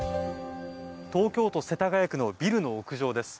東京都世田谷区のビルの屋上です。